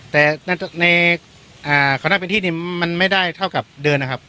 แต่ในคณะเป็นที่นี่มันไม่ได้เท่ากับเดินนะครับ